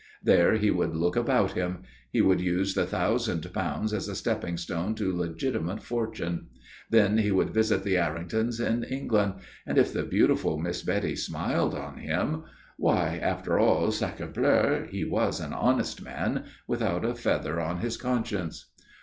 There he would look about him. He would use the thousand pounds as a stepping stone to legitimate fortune. Then he would visit the Erringtons in England, and if the beautiful Miss Betty smiled on him why, after all, sacrebleu he was an honest man, without a feather on his conscience.